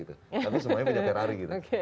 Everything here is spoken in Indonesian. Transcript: tapi semuanya punya ferrari